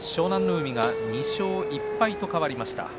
海が２勝１敗と変わりました。